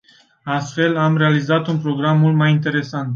Astfel, am realizat un program mult mai interesant.